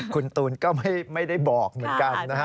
คุณตูนก็ไม่ได้บอกเหมือนกันนะฮะ